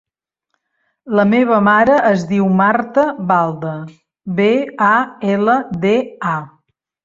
La meva mare es diu Marta Balda: be, a, ela, de, a.